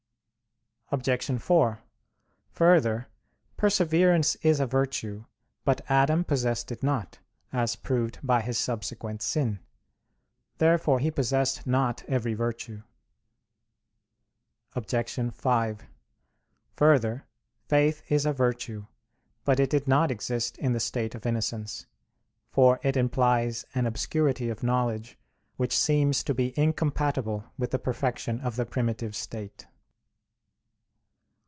Obj. 4: Further, perseverance is a virtue. But Adam possessed it not; as proved by his subsequent sin. Therefore he possessed not every virtue. Obj. 5: Further, faith is a virtue. But it did not exist in the state of innocence; for it implies an obscurity of knowledge which seems to be incompatible with the perfection of the primitive state.